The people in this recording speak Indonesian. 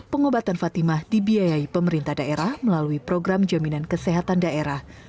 pengobatan fatimah dibiayai pemerintah daerah melalui program jaminan kesehatan daerah